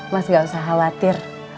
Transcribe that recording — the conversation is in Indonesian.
mas gak usah khawatir